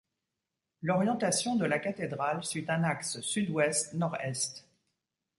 L’orientation de la cathédrale suit un axe sud-ouest - nord-est.